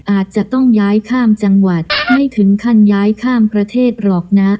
อาจจะต้องย้ายข้ามจังหวัดไม่ถึงขั้นย้ายข้ามประเทศหรอกนะ